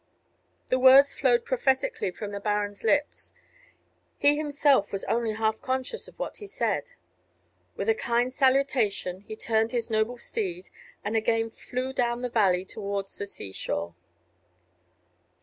The words flowed prophetically from the baron's lips; he himself was only half conscious of what he said. With a kind salutation he turned his noble steed, and again flew down the valley towards the sea shore.